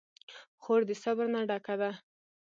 خور د صبر نه ډکه ده.